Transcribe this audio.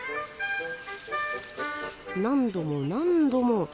何度も何度も。